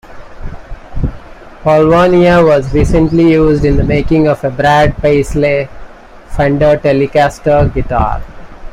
Paulownia was recently used in the making of a Brad Paisley Fender Telecaster Guitar.